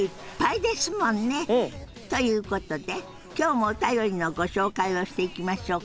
うん！ということで今日もお便りのご紹介をしていきましょうか。